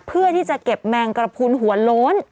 เพื่อที่จะเก็บแมงกระพุนหัวโล้น